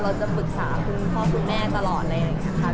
เราจะปรึกษาคุณพ่อคุณแม่ตลอดอะไรอย่างนี้ค่ะ